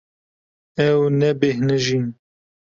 Ew nebêhnijîn.